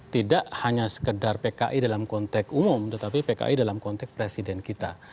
tidak hanya sekedar pki dalam konteks umum tetapi pki dalam konteks presiden kita